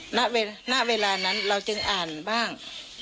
ณเวลานั้นเราจึงอ่านบ้าง